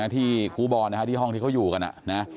ที่ครูบอลที่ห้องที่เขาอยู่กันนะ